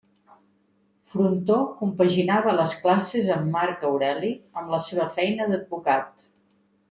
Frontó compaginava les classes amb Marc Aureli amb la seva feina d'advocat.